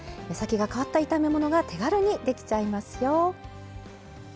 目先が変わった炒め物が手軽にできちゃいますよ！